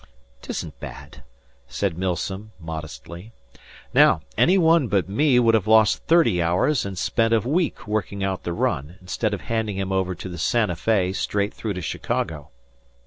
"'Tisn't bad," said Milsom, modestly. "Now, any one but me would have lost thirty hours and spent a week working out the run, instead of handing him over to the Santa Fe straight through to Chicago."